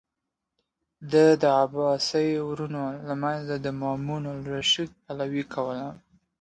ده د عباسي ورونو له منځه د مامون الرشید پلوي کوله.